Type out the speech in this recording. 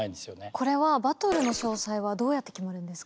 これはバトルの勝敗はどうやって決まるんですか？